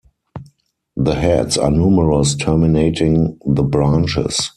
The heads are numerous terminating the branches.